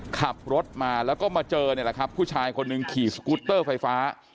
ขับรถมาแล้วก็มาเจอผู้ชายคนหนึ่งขี่สกูเตอร์ไฟฟ้า